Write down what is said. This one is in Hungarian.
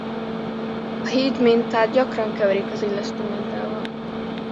A híd mintát gyakran keverik az illesztő mintával.